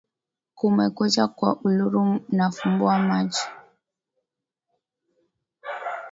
Kumekucha kwa Uluru nafumbua macho